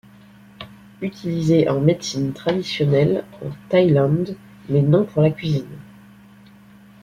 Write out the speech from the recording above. Utilisée en médecine traditionnelle en Thaïlande mais non pour la cuisine.